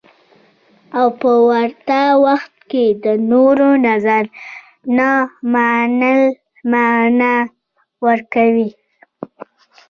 او په ورته وخت کې د نورو نظر نه منل مانا ورکوي.